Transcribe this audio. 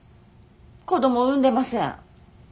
子供産んでません。